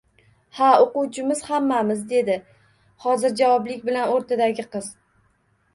-Ha, o’quvchimiz hammamiz, — dedi hozirjavoblik bilan o’rtadagi qiz.